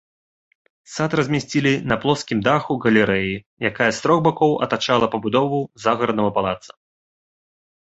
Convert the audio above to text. Сад размясцілі на плоскім даху галерэі, якая з трох бакоў атачала пабудову загараднага палаца.